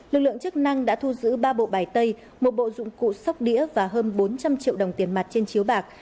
lực lượng chức năng đã thu giữ ba bộ bài tay một bộ dụng cụ sóc đĩa và hơn bốn trăm linh triệu đồng tiền mặt trên chiếu bạc